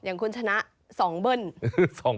อย่างคุณชนะ๒เบิ้ล